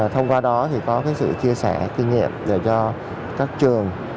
thông qua đó thì có sự chia sẻ kinh nghiệm để cho các trường